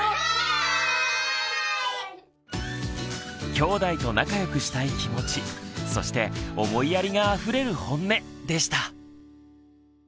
きょうだいと仲良くしたい気持ちそして思いやりがあふれるホンネでした。